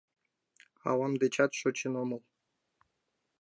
Авам дечат шочын омыл.